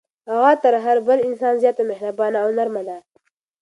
هغه تر هر بل انسان زیاته مهربانه او نرمه ده.